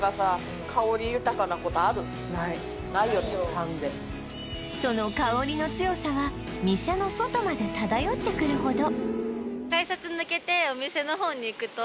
パンでその香りの強さは店の外まで漂ってくるほど